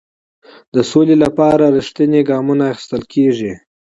د سولې لپاره رښتیني ګامونه اخیستل کیږي.